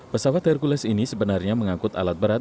pesawat hercules ini sebenarnya mengangkut alat berat